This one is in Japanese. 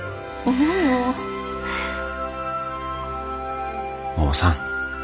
ももさん。